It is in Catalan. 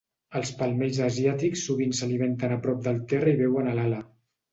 Els palmells asiàtics sovint s'alimenten a prop del terra i beuen a l'ala.